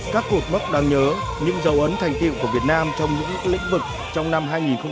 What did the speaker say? các cuộc mất đáng nhớ những dấu ấn thành tiệu của việt nam trong những lĩnh vực trong năm hai nghìn một mươi chín